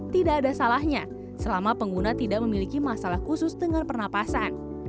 tidak ada salahnya selama pengguna tidak memiliki masalah khusus dengan pernapasan